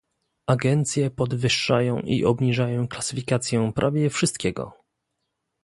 Agencje podwyższają i obniżają klasyfikację prawie wszystkiego